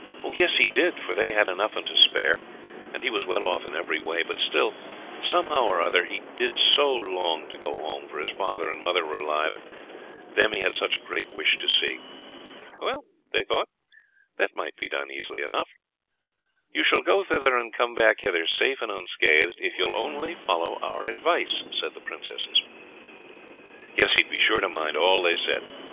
Yes, he did, for they had enough and to spare, and he was well off in every way, but still somehow or other he did so long to go home, for his father and mother were alive, and them he had such a great wish to see. Well, they thought that might be done easily enough. "You shall go thither and come back hither, safe and unscathed, if you will only follow our advice," said the Princesses. Yes, he'd be sure to mind all they said.